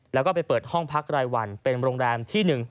แล้วก็ไปเปิดห้องพักรายวันเป็นโรงแรมที่๑